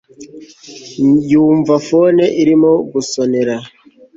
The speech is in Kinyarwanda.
yumva phone irimo gusonera